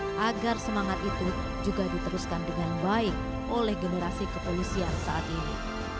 agar semangat itu juga diteruskan dengan baik oleh generasi kepolisian saat ini